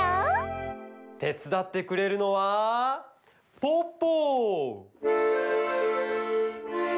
てつだってくれるのはポッポ！